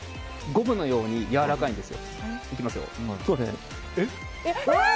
ゴムのようにやわらかいんです。